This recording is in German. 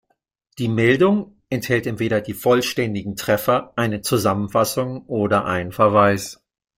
Die Meldung enthält entweder die vollständigen Treffer, eine Zusammenfassung oder einen Verweis.